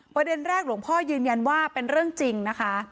ประเด็นแรกหลวงพ่อยืนยันว่าเป็นเรื่องจริงนะคะ